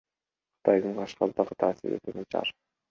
Кытайдын Кашкардагы таасири өтө начар.